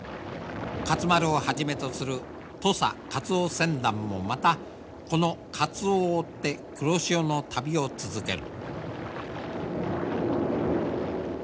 勝丸をはじめとする土佐カツオ船団もまたこのカツオを追って黒潮の旅を続ける。